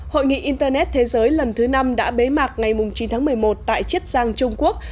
hội nghị internet thế giới lần thứ năm đã bế mạc ngày chín tháng một mươi một tại chiết giang trung quốc